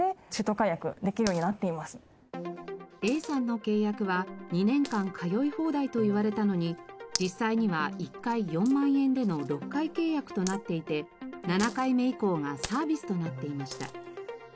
Ａさんの契約は２年間通い放題と言われたのに実際には１回４万円での６回契約となっていて７回目以降がサービスとなっていました。